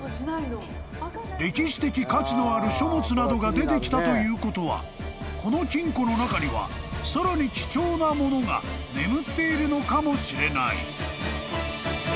［歴史的価値のある書物などが出てきたということはこの金庫の中にはさらに貴重なものが眠っているのかもしれない］